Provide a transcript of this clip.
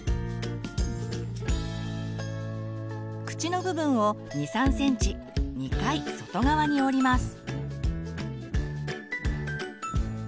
口の部分を２３ｃｍ２回外側に折ります。